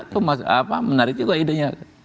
itu menarik juga idenya